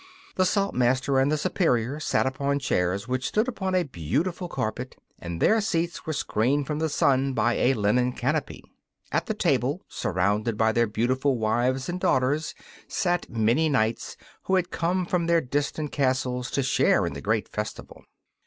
The Saltmaster and Superior sat upon chairs which stood upon a beautiful carpet, and their seats were screened from the sun by a linen canopy. At the table, surrounded by their beautiful wives and daughters, sat many knights, who had come from their distant castles to share in the great festival.